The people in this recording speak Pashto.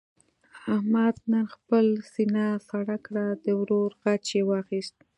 احمد نن خپله سینه سړه کړه. د ورور غچ یې واخیست.